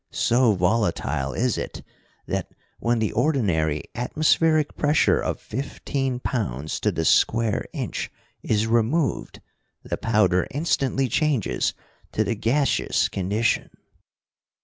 So volatile is it that, when the ordinary atmospheric pressure of fifteen pounds to the square inch is removed, the powder instantly changes to the gaseous condition."